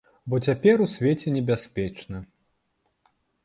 Бо цяпер у свеце небяспечна.